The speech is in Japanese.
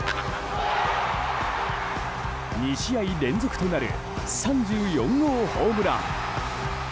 ２試合連続となる３４号ホームラン。